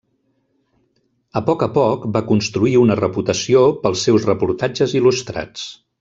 A poc a poc va construir una reputació pels seus reportatges il·lustrats.